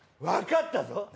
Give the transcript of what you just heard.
わかったぞ！